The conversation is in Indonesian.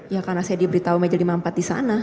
ya karena saya diberitahu meja lima puluh empat di sana